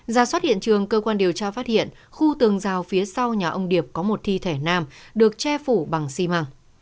ra soát hiện trường cơ quan điều tra phát hiện khu tường rào phía sau nhà ông điệp có một thi thể nam được che phủ bằng xi măng